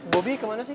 bobby kemana sih